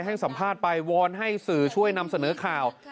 ให้สัมภาษณ์ไปวอนให้สื่อช่วยนำเสนอข่าว